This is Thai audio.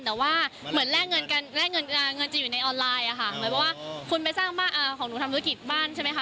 แต่ว่าเหมือนแลกเงินจะอยู่ในออนไลน์คุณไปสร้างบ้านของหนูทำธุรกิจบ้านใช่ไหมคะ